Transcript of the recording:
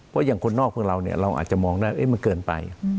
เพราะอย่างคนนอกของเราเนี่ยเราอาจจะมองได้ว่าเอ๊ะมันเกินไป